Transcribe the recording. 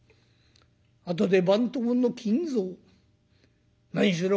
あとで番頭の金蔵何しろ